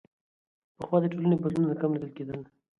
پخوا د ټولنې بدلونونه کم لیدل کېدل.